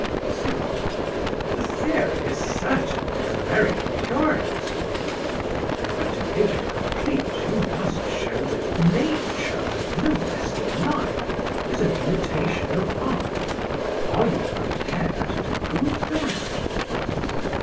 CYRIL. The theory is certainly a very curious one, but to make it complete you must show that Nature, no less than Life, is an imitation of Art. Are you prepared to prove that?